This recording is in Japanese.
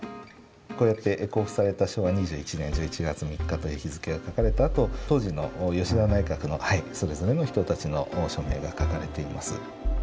こうやって公布された昭和２１年１１月３日という日付が書かれたあと当時の吉田内閣のそれぞれの人たちの署名が書かれています。